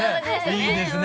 いいですね。